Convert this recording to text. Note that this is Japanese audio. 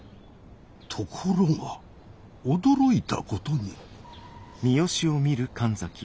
ところが驚いたことに。